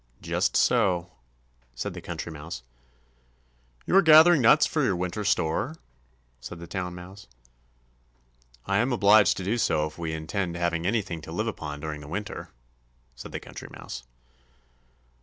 "Just so," said the Country Mouse. "You are gathering nuts for your winter store?" said the Town Mouse. "I am obliged to do so if we intend having anything to live upon during the winter," said the Country Mouse.